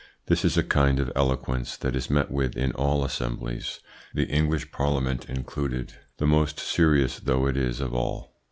This is a kind of eloquence that is met with in all assemblies, the English Parliament included, the most serious though it is of all.